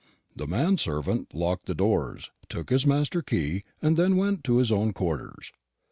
The man servant locked the doors, took his master the key, and then went to his own quarters.